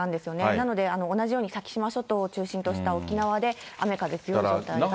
なので同じように先島諸島を中心とした沖縄で雨風強い状態が続いています。